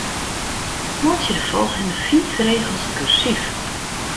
Meitsje de folgjende fiif rigels kursyf.